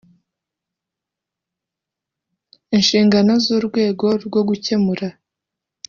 inshingano z urwego rwo gukemura